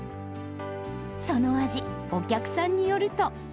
その味、お客さんによると。